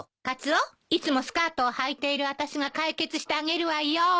カツオいつもスカートをはいている私が解決してあげるわよ。